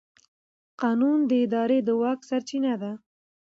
قانون د ادارې د واک سرچینه ده.